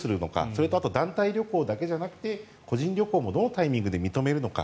それと団体旅行だけじゃなくて個人旅行もどのタイミングで認めるのか。